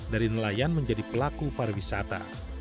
dari nelayan menjadi pelaku pariwisata